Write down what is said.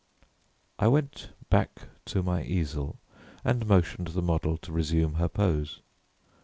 I went back to my easel and motioned the model to resume her pose.